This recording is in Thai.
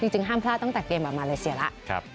ห้ามพลาดตั้งแต่เกมกับมาเลเซียแล้ว